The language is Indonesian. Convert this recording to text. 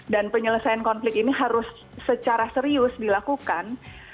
penyelesaian konflik ini harus secara serius dilakukan